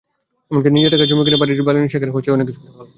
এমনকি নিজের টাকায় জমি কিনে বাড়ি বানালে সেখান থেকেও তাড়িয়ে দেওয়া হয়।